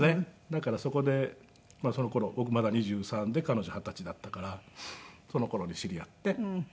だからそこでその頃僕まだ２３で彼女二十歳だったからその頃に知り合って。